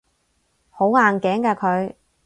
好硬頸㗎佢